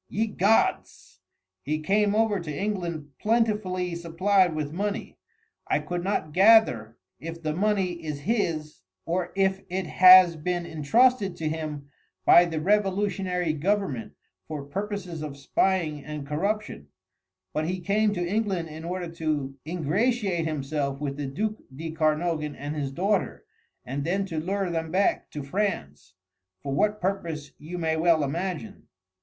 "Ye gods!" "He came over to England plentifully supplied with money I could not gather if the money is his or if it has been entrusted to him by the revolutionary government for purposes of spying and corruption but he came to England in order to ingratiate himself with the duc de Kernogan and his daughter, and then to lure them back to France, for what purpose you may well imagine."